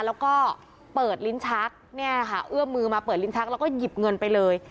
แล้วก็เปิดลิ้นชักเนี่ยนะคะเอื้อมมือมาเปิดลิ้นชักแล้วก็หยิบเงินไปเลย